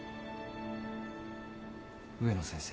植野先生。